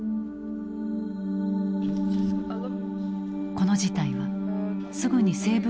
この事態はすぐにセーブ